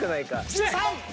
１３！